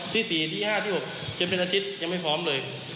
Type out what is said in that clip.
ที่๔ที่๕ที่๖จนเป็นอาทิตย์ยังไม่พร้อมเลย